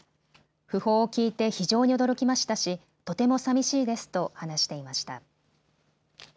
訃報を聞いて非常に驚きましたしとてもさみしいですと話していました。